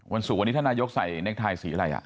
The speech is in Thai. สุขวันนี้ท่านนายกใส่เน็กไทยสีอะไร